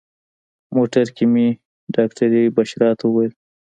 موټر کې مې ډاکټرې بشرا ته وویل.